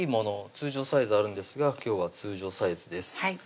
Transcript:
通常サイズあるんですが今日は通常サイズです